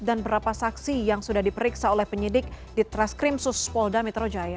dan berapa saksi yang sudah diperiksa oleh penyidik di traskrim sus polda metro jaya